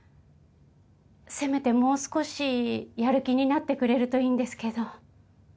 せめてもう少しやる気になってくれるといいんですけど。